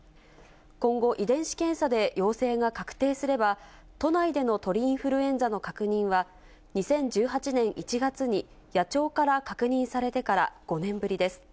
今後、遺伝子検査で陽性が確定すれば、都内での鳥インフルエンザの確認は、２０１８年１月に、野鳥から確認されてから５年ぶりです。